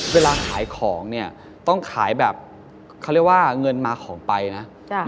เวลาขายของเนี่ยต้องขายแบบเขาเรียกว่าเงินมาของไปนะ